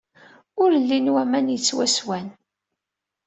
Ur llin waman yettwaswan.